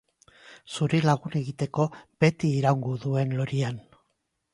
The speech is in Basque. Zuri lagun egiteko beti iraungo duen lorian.